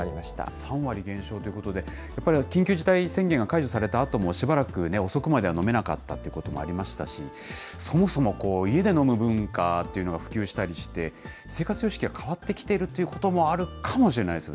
３割減少ということで、やっぱり緊急事態宣言が解除されたあともしばらく遅くまでは飲めなかったということもありましたし、そもそも家で飲む文化が普及したりして、生活様式が変わってきているということもあるかもしれないですよ